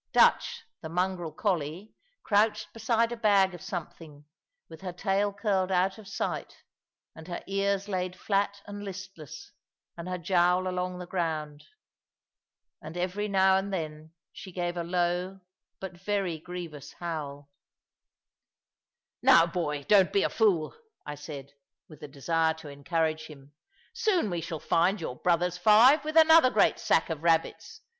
Dutch, the mongrel collie, crouched beside a bag of something, with her tail curled out of sight, and her ears laid flat and listless, and her jowl along the ground. And every now and then she gave a low but very grievous howl. "Now, boy, don't be a fool," I said, with the desire to encourage him; "soon we shall find your brothers five, with another great sack of rabbits.